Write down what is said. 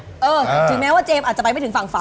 ถึงแม้ว่าเจมส์อาจจะไปไม่ถึงฝั่งฝา